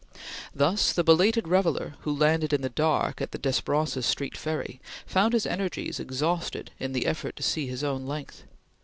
Thus the belated reveller who landed in the dark at the Desbrosses Street ferry, found his energies exhausted in the effort to see his own length.